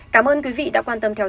cảm ơn quý vị đã quan tâm theo dõi